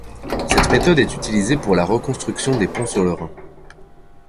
Cette méthode est utilisée pour la reconstruction des ponts sur le Rhin.